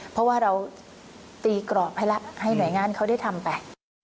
เพราะว่าเราตีกรอบให้แล้วให้หน่วยงานเขาได้ทำไป